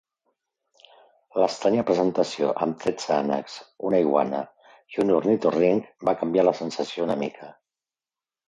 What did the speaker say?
L'estranya presentació amb tretze ànecs, una iguana i un ornitorrinc va canviar la sensació una mica.